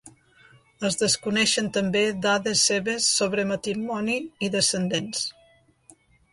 Es desconeixen també dades seves sobre matrimoni i descendents.